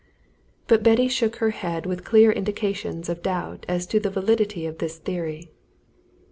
But Betty shook her head with clear indications of doubt as to the validity of this theory.